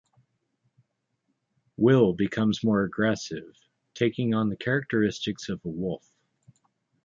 Will becomes more aggressive, taking on the characteristics of a wolf.